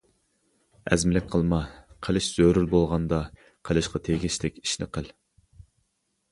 ئەزمىلىك قىلما، قىلىش زۆرۈر بولغاندا قىلىشقا تېگىشلىك ئىشنى قىل.